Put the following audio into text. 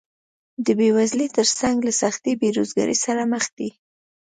د بېوزلۍ تر څنګ له سختې بېروزګارۍ سره مخ دي